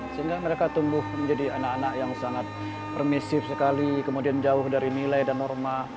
sehingga mereka tumbuh menjadi anak anak yang sangat permisif sekali kemudian jauh dari nilai dan norma